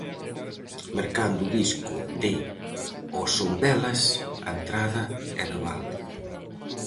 Mercando o disco de "Ao son delas" a entrada é de balde.